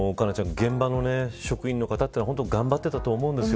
現場の職員の方は頑張っていたと思うんですよ。